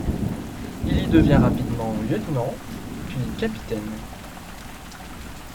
Il y devient rapidement lieutenant, puis capitaine.